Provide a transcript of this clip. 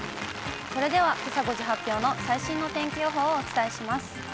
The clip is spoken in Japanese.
それでは、けさ５時発表の最新の天気予報をお伝えします。